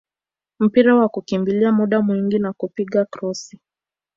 mpira wa kukimbia muda mwingi na kupiga krosi